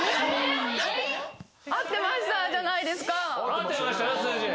合ってましたよ数字。